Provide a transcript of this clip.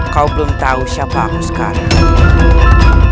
kau belum tahu siapa aku sekarang